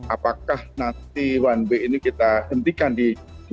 apakah nanti one way ini kita hentikan di dua puluh empat